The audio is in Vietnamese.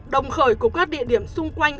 đồng khởi của các địa điểm xung quanh